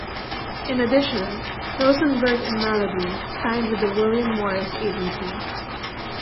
In addition, Rosenberg and Malibu signed with the William Morris Agency.